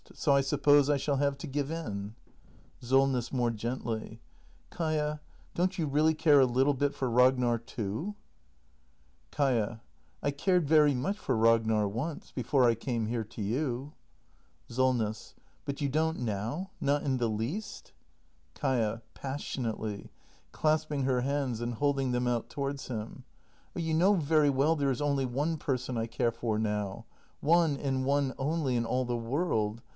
So I suppose I shall have to give in. Solness. [More gently.] Kaia, don't you really care a little bit for Ragnar, too? act i] THE MASTER BUILDER 261 Kaia. I cared very much for Ragnar once — before I came here to you. SOLNESS. But you don't now? Not in the least? Kaia. [Passionately, clasping her hands and holding them out towards him.] Oh, you know very well there is only one person I care for now! One, and one only, in all the world!